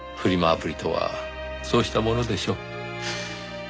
アプリとはそうしたものでしょう。